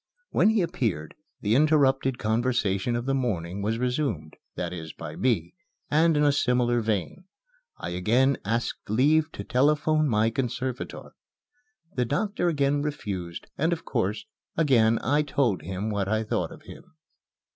When he appeared, the interrupted conversation of the morning was resumed that is, by me and in a similar vein. I again asked leave to telephone my conservator. The doctor again refused, and, of course, again I told him what I thought of him.